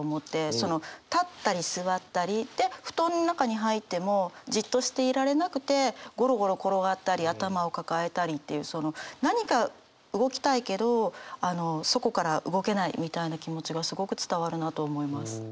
その立ったり座ったりで布団の中に入ってもじっとしていられなくてゴロゴロ転がったり頭を抱えたりっていう何か動きたいけどそこから動けないみたいな気持ちがすごく伝わるなと思います。